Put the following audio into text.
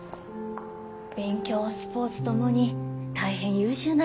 勉強スポーツ共に大変優秀なようで。